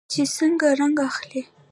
چې څنګه رنګ اخلي.